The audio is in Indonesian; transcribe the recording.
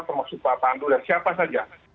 pemaksupa pandu dan siapa saja